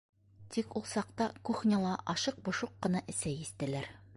Тик ул саҡта кухняла ашыҡ-бошоҡ ҡына сәй эстеләр.